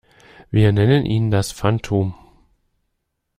Wir nennen ihn das Phantom.